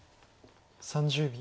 ３０秒。